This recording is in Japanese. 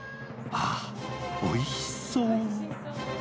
はぁ、おいしそう。